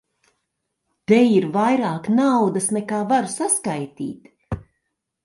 Te ir vairāk naudas, nekā varu saskaitīt.